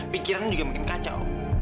pikiran juga akan bikin kacau